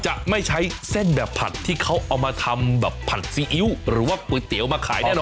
จะไม่ใช้เส้นแบบผัดที่เขาเอามาทำแบบผัดซีอิ๊วหรือว่าก๋วยเตี๋ยวมาขายแน่นอน